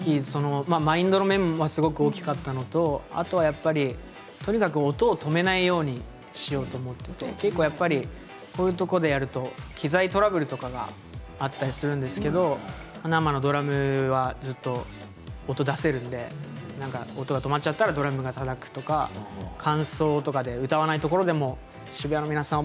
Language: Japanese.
マインドの面もすごく大きかったのとあとはやっぱり音を止めないようにしようと思っていて結構やっぱりこういうところでやると機材トラブルとかがあったりするんですけど生のドラムはずっと音を出せるので音が止まっちゃったらドラムをたたくとか間奏とかで歌わないところでも渋谷の皆さん！